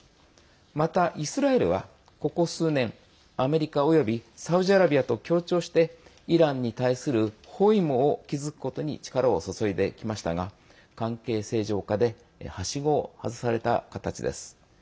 また、イスラエルはここ数年アメリカおよびサウジアラビアと協調してイランに対する包囲網を築くことに力を注いできましたが関係正常化ではしごを外された形です。